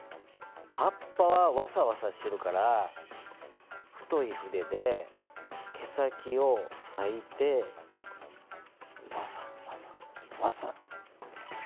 葉っぱはワサワサしてるから太い筆で毛先をさいてワサワサワサワサ。